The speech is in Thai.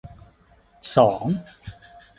สอง